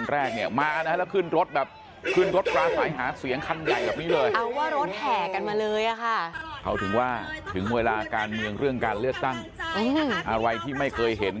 นี่ฮะคือที่แรกก็คิดกันว่าเอะ